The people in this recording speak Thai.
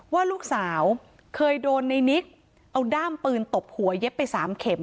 ว่าลูกสาวเคยโดนในนิกเอาด้ามปืนตบหัวเย็บไป๓เข็ม